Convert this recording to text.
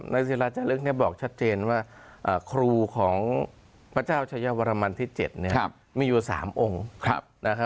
ในศิลาจารึกบอกชัดเจนว่าครูของพระเจ้าชายวรมันที่๗มีอยู่๓องค์